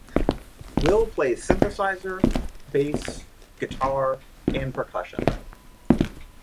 Will plays synthesizer, bass, guitar and percussion.